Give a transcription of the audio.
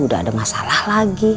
udah ada masalah lagi